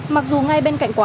mặc dù ngay bên cạnh quán